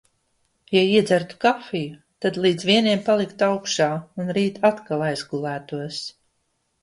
Ja iedzertu kafiju, tad līdz vieniem paliktu augšā un rīt atkal aizgulētos.